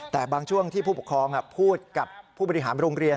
แต่บางช่วงที่ผู้ปกครองพูดกับผู้บริหารโรงเรียน